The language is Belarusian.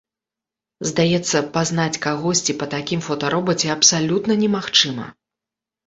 Здаецца, пазнаць кагосьці па такім фотаробаце абсалютна немагчыма.